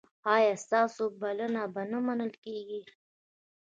ایا ستاسو بلنه به نه منل کیږي؟